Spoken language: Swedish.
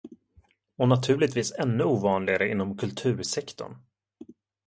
Och naturligtvis ännu ovanligare inom kultursektorn.